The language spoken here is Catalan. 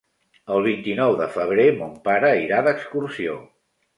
El vint-i-nou de febrer mon pare irà d'excursió.